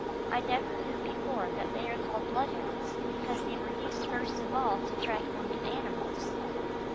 I never knew before that they are called bloodhounds because they were used first of all to track wounded animals.